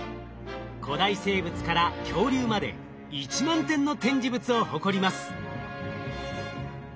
古代生物から恐竜まで１万点の展示物を誇ります。